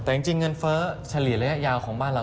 แต่จริงเงินเฟ้อเฉลี่ยระยะยาวของบ้านเรา